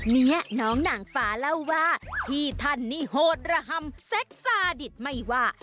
เนี่ยน้องหนังฟ้าเล่าว่าพี่ท่านนี่โหดระห่ำแซ็กซาดิตไม่ว่า